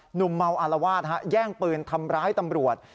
หนุ่มเมาอารวาสแย่งปืนทำร้ายตำรวจ